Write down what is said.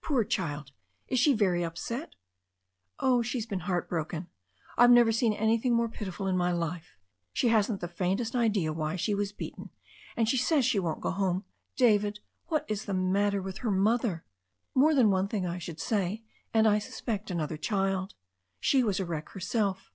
"Poor child! Is she very upset?" "Oh, she's been heart broken. I've never seen anything more pitiful in my life. She hasn't the faintest idea why she was beaten. And she says she won't go home. David, what is the matter with her mother?" "More than one thing, I should say, and I suspect an other child. She was a wreck herself."